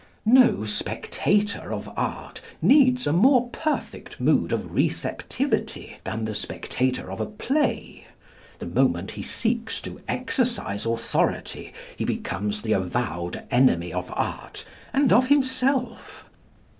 No spectator of art needs a more perfect mood of receptivity than the spectator of a play. The moment he seeks to exercise authority he becomes the avowed enemy of Art and of himself.